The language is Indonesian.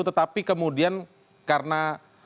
tetapi kemudian karena